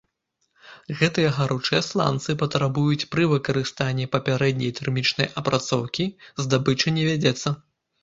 Гэтыя гаручыя сланцы патрабуюць пры выкарыстанні папярэдняй тэрмічнай апрацоўкі, здабыча не вядзецца.